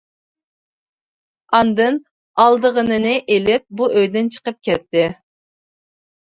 ئاندىن ئالىدىغىنىنى ئېلىپ، بۇ ئۆيدىن چىقىپ كەتتى.